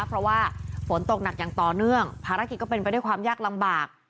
เพราะว่าฝนตกหนักอย่างต่อเนื่องภารกิจก็เป็นไปด้วยความยากลำบาก